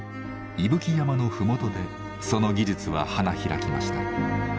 伊吹山の麓でその技術は花開きました。